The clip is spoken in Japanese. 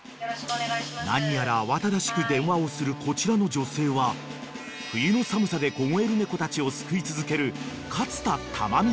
［何やら慌ただしく電話をするこちらの女性は冬の寒さで凍える猫たちを救い続ける］